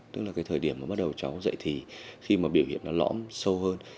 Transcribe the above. tức là cái thời điểm mà bắt đầu cháu dậy thì khi mà biểu hiện nó lõm sâu hơn